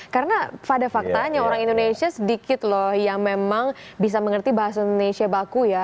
karena pada faktanya orang indonesia sedikit loh yang memang bisa mengerti bahasa indonesia baku ya